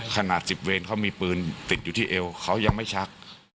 สิบเวรเขามีปืนติดอยู่ที่เอวเขายังไม่ชัก